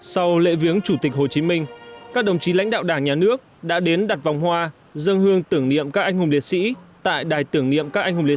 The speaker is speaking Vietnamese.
sau lễ viếng chủ tịch hồ chí minh các đồng chí lãnh đạo đảng nhà nước đã đến đặt vòng hoa dân hương tưởng niệm các anh hùng liệt sĩ tại đài tưởng niệm các anh hùng liệt sĩ